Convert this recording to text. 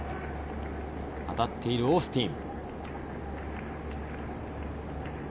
当たっているオースティン。